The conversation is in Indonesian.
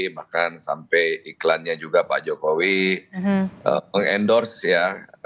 bahkan sampai iklannya juga pak jokowi mengendorse ya